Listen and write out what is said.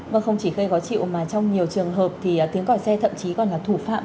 vâng không chỉ gây khó chịu mà trong nhiều trường hợp thì tiếng còi xe thậm chí còn là thủ phạm